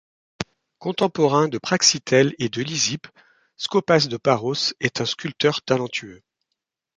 Contemporain de Praxitèle et de Lysippe, Scopas de Paros est un sculpteur talentueux.